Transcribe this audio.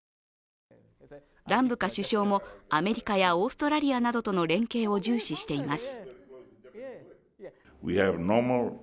ランブカ首相もアメリカやオーストラリアなどとの連携を重視しています。